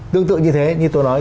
tương tự như thế như tôi nói